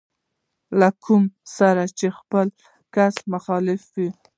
له کوم سره چې خپله کس مخالف وي.